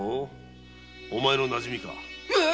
お前のなじみか？